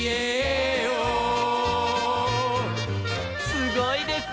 すごいですね。